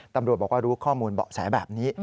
ตำรวจบอกว่ารู้ข้อมูลเบาะแสแบบนี้